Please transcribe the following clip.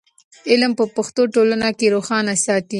علم په پښتو ټولنه روښانه ساتي.